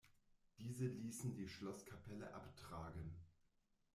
Diese ließen die Schlosskapelle abtragen.